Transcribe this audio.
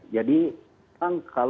jadi kita harus melakukan isolasi lokal